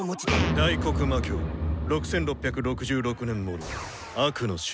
「『大黒魔境』６６６６年もの悪の雫」。